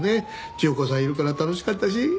千代子さんいるから楽しかったし。